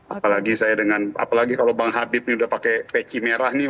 apalagi kalau bang habib ini sudah pakai peci merah nih